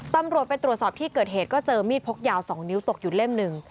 ตำรวจไปตรวจสอบที่เกิดเหตุก็เจอมีดพกยาว๒นิ้วตกอยู่เล่มหนึ่ง